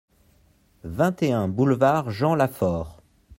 vingt et un boulevard Jean Lafaure